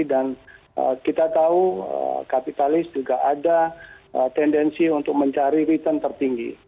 dan kita tahu kapitalis juga ada tendensi untuk mencari return tertinggi